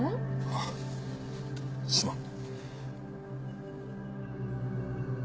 あっすまん。